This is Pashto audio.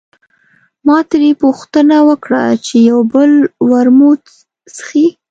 ما ترې پوښتنه وکړه چې یو بل ورموت څښې.